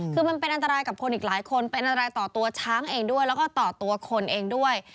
คือมันเป็นอันตรายกับคนอีกหลายคนเป็นอะไรต่อตัวช้างเองด้วยแล้วก็ต่อตัวคนเองด้วย